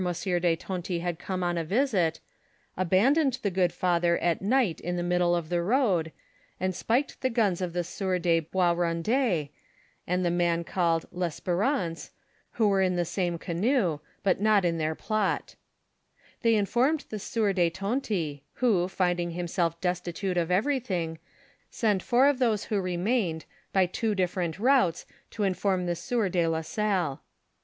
de Tonty had come on a visit, aban doned the good father at night in the middle of the road, and spiked the guns of the sieur de Boisrondet, and the man called Lesperance, who were in the same canoe, but not in their plot. They informed the sieur de Tonty who, finding himself destitute of everything, sent four of those who re n '# I H'Yii ■} 160 NARRATIVE OF FATHER MBMBRE. ,l! ,fr ' Li mained by two different routes to inform the sieur de la Salle.